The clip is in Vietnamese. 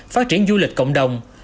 phát triển du lịch cộng đồng